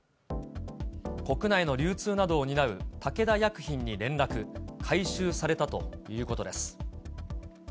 国内の流通などを担う武田薬品に連絡、回収されたということです。